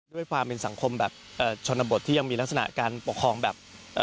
ด้วยความเป็นสังคมแบบเอ่อชนบทที่ยังมีลักษณะการปกครองแบบ